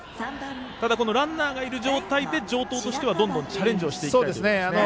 ただランナーがいる状態で城東としてはどんどんチャレンジしていきたいということですね。